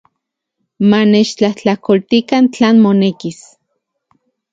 Manechtlajtlakoltikan tlan monekis.